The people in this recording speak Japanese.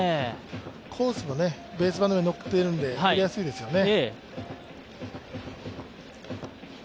コースもベース板の上に乗っているので拾いやすいですよね。